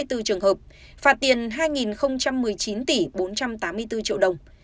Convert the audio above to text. hai mươi bốn trường hợp phạt tiền hai một mươi chín tỷ bốn trăm tám mươi bốn triệu đồng